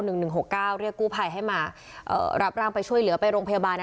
หนึ่งหนึ่งหกเก้าเรียกกู้ภัยให้มาเอ่อรับร่างไปช่วยเหลือไปโรงพยาบาลอ่ะ